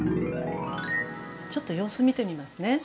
ちょっと様子見てみますね。